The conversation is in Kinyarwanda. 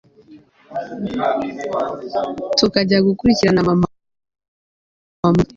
tukajya gukurikiranira mama murugo